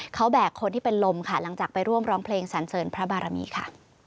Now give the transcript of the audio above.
เขาแบกคนที่เป็นลมค่ะหลังจากไปร่วมร้องเพลงสันเสริญพระบารมีค่ะ